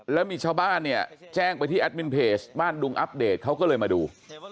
แล้วมีชาวบ้านเนี่ยแจ้งไปที่แอดมินเพจบ้านดุงอัปเดตเขาก็เลยมาดู